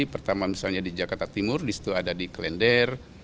pertama misalnya di jakarta timur di situ ada di klender